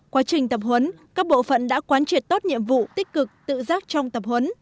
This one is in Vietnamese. quá trình tập huấn các bộ phận đã quán triệt tốt nhiệm vụ tích cực tự giác trong tập huấn